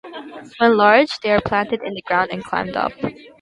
When large, they are planted in the ground and climbed up.